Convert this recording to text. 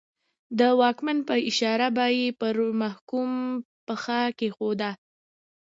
د واکمن په اشاره به یې پر محکوم پښه کېښوده.